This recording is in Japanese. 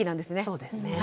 そうですね。